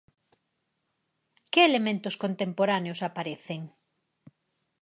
Que elementos contemporáneos aparecen?